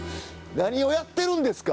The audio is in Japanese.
何をやってるんですか？